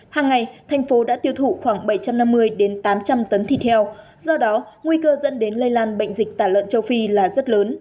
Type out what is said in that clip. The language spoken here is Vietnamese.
hàng ngày thành phố đã tiêu thụ khoảng bảy trăm năm mươi tám trăm linh tấn thịt heo do đó nguy cơ dẫn đến lây lan bệnh dịch tả lợn châu phi là rất lớn